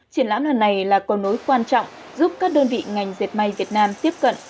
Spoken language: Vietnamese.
triển lãm lần này là cầu nối quan trọng giúp các đơn vị ngành dệt may việt nam tiếp cận